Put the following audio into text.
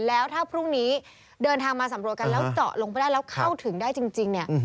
แล้วถ้าพรุ่งนี้เดินทางมาสำรวจกันแล้วเจาะลงไปได้แล้วเข้าถึงได้จริงเนี่ย